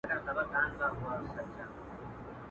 حجره د پښتنو ده څوک به ځي څوک به راځي.